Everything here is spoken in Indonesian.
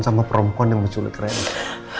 sama perempuan yang menculik reni